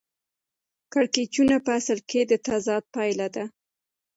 کړکېچونه په اصل کې د تضاد پایله ده